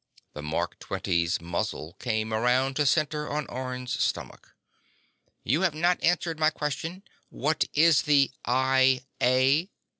The Mark XX's muzzle came around to center on Orne's stomach. "You have not answered my question. What is the I A?"